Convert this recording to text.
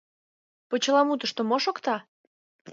ПОЧЕЛАМУТЫШТО МО ШОКТА?